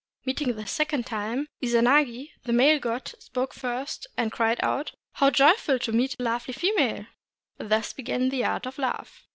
Meeting the second time, Izanagi, the male god, spoke first, and cried out, — "How joyful to meet a lovely female!" Thus began the art of love.